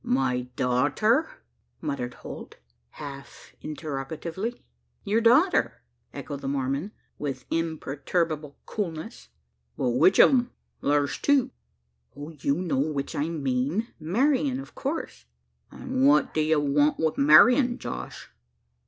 "My daughter?" muttered Holt, half interrogatively. "Your daughter!" echoed the Mormon, with imperturbable coolness. "But which o' 'em? Thur's two." "Oh! you know which I mean Marian, of course." "An' what do ye want wi' Marian, Josh?"